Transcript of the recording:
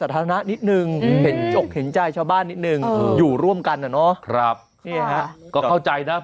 คือก็อยากจะเอามา